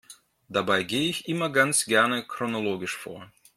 Dabei gehe ich immer ganz gerne chronologisch vor.